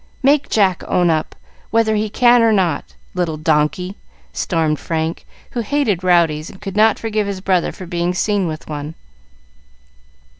Make Jack own up, whether he can or not. Little donkey!" stormed Frank, who hated rowdies and could not forgive his brother for being seen with one.